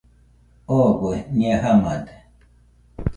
Ogoe nɨa jamade